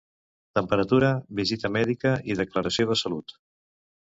Temperatura, visita mèdica i declaració de salut.